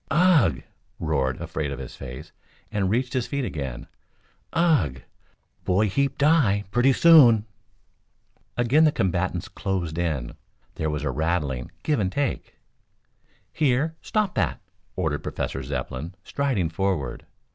"Ugh!" roared Afraid Of His Face, and reached his feet again. "Ugh! Boy heap die! Plenty soon!" Again the combatants closed in. There was a rattling give and take. "Here! Stop that!" ordered Professor Zepplin, striding forward.